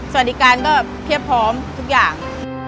สวัสดีการก็เพียบพร้อมทุกอย่าง